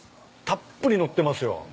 たっぷり載ってますよ。